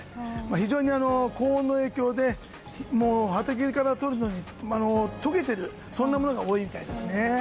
非常に高温の影響で畑からとるのに小さいそんなものが多いみたいんですね。